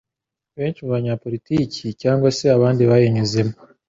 benshi mu banyapolitiki cyangwa se abandi bayinyuzemo.